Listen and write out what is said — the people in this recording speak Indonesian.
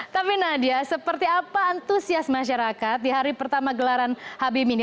tapi nadia seperti apa antusias masyarakat di hari pertama gelaran habibie ini